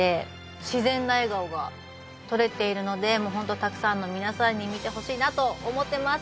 しぜんな笑顔が撮れているのでホントたくさんの皆さんに見てほしいなと思ってます。